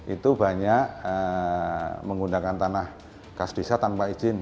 itu banyak menggunakan tanah kas desa tanpa izin